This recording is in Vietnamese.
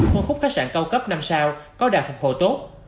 phân khúc khách sạn cao cấp năm sao có đạt phục hộ tốt